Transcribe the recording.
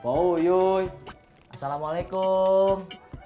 pau yuy assalamualaikum